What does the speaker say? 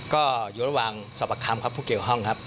ก็อยู่ระหว่างสอบประคำครับผู้เกี่ยวข้องครับ